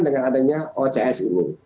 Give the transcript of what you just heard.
dengan adanya ocs